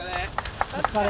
お疲れ！